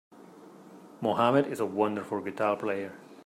Mohammed is a wonderful guitar player.